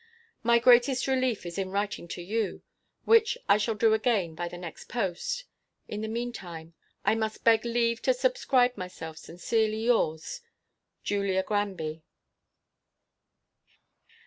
My greatest relief is in writing to you; which I shall do again by the next post. In the mean time, I must beg leave to subscribe myself sincerely yours, JULIA GRANBY.